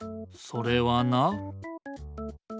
それはな。